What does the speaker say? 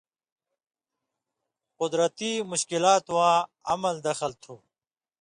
قدرتی مشکلاتواں عمل دخل تُھو۔